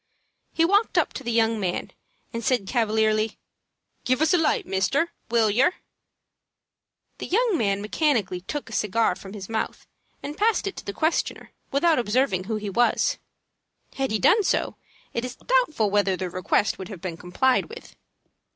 He walked up to the young man, and said, cavalierly, "Give us a light, mister, will yer?" The young man mechanically took the cigar from his mouth, and passed it to the questioner without observing who he was. Had he done so, it is doubtful whether the request would have been complied with.